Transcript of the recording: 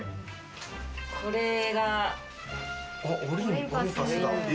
これが。